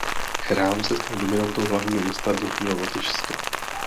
Chrám se stal dominantou hlavního města dnešního Lotyšska.